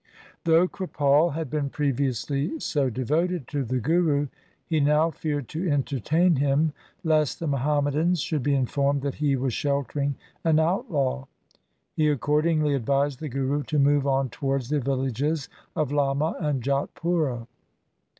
Though Kripal had been previously so devoted to the Guru, he now feared to entertain him lest the Muhammadans should be informed that he was sheltering an out law. He accordingly advised the Guru to move on towards the villages of Lamma and Jatpura.